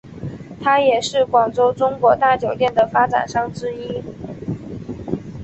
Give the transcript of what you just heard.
他也是广州中国大酒店的发展商之一。